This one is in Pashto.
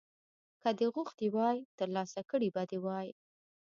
که دې غوښتي وای ترلاسه کړي به دې وو.